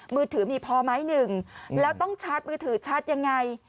มือถือมีพอไหมหนึ่งแล้วต้องชาร์จมือถือชาร์จยังไง